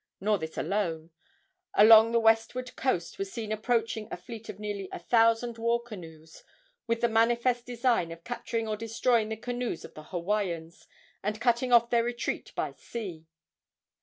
Nor this alone. Along the westward coast was seen approaching a fleet of nearly a thousand war canoes, with the manifest design of capturing or destroying the canoes of the Hawaiians and cutting off their retreat by sea.